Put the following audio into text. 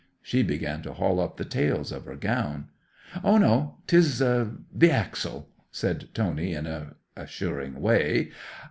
She began to haul up the tails of her gown. '"Oh no; 'tis the axle," said Tony in an assuring way.